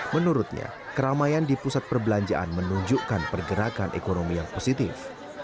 menurutnya keramaian di pusat perbelanjaan menunjukkan pergerakan ekonomi yang positif